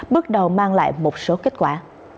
bước đầu mang lại một số kết quả